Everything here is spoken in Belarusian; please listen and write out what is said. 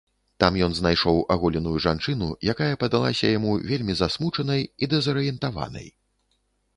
Там ён знайшоў аголеную жанчыну, якая падалася яму вельмі засмучанай і дэзарыентаванай.